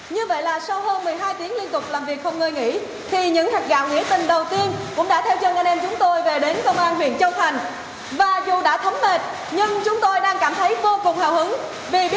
như vậy là sau hơn một mươi hai tiếng liên tục làm việc không ngơi nghỉ